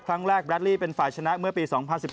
แรกแรดลี่เป็นฝ่ายชนะเมื่อปี๒๐๑๘